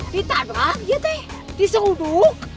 tidak lagi ya teh di seuduk